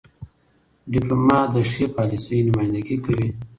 . ډيپلومات د ښې پالیسۍ نمایندګي کوي.